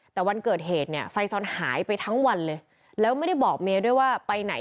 แต่วันเกิดเหตุเนี่ยไฟซอนหายไปทั้งวันเลยแล้วไม่ได้บอกเมย์ด้วยว่าไปไหน